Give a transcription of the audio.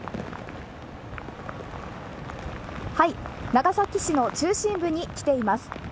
長崎市の中心部に来ています。